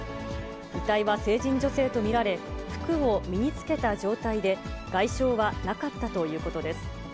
遺体は成人女性と見られ、服を身につけた状態で、外傷はなかったということです。